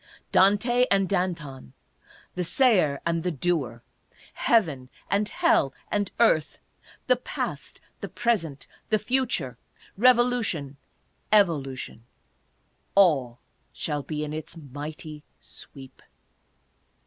Dante and Danton, the Sayer and the Doer, Heaven and Hell and Earth, the Past, the Present, the Future, Revolu tion, Evolution — all shall be in its mighty sweep.